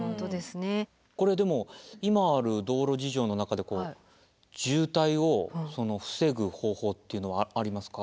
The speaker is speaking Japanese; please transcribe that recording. これでも今ある道路事情の中で渋滞を防ぐ方法っていうのはありますか？